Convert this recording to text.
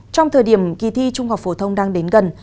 trong thời điểm kỳ thi trung học phổ thông đang đến gần